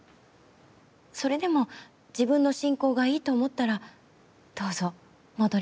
それでも自分の信仰がいいと思ったらどうぞ戻りなさい」って。